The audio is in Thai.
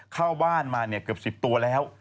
เข้าบ้านมาเกือบ๑๐ตัวแล้ว